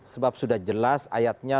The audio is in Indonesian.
sebab sudah jelas ayatnya